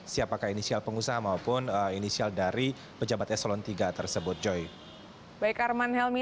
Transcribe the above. siapakah inisial pengusaha maupun inisial dari pejabat eselon iii